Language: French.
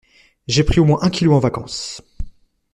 J'ai pris au moins un kilo en vacances.